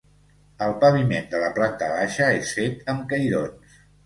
El paviment de la planta baixa és fet amb cairons.